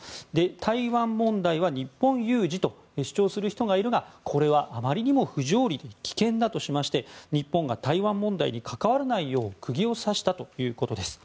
台湾問題は日本有事と主張する人がいるがこれは、あまりにも不条理で危険だとしまして日本が台湾問題に関わらないよう釘を刺したということです。